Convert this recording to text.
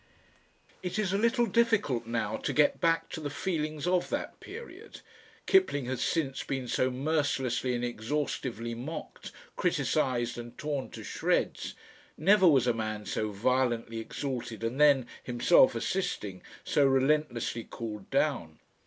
It is a little difficult now to get back to the feelings of that period; Kipling has since been so mercilessly and exhaustively mocked, criticised and torn to shreds; never was a man so violently exalted and then, himself assisting, so relentlessly called down.